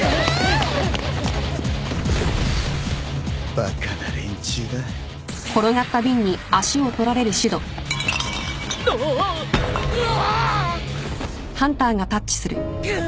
バカな連中だ。ああ。うわあっ！